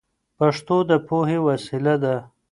پښتو د پوهې وسیله ده.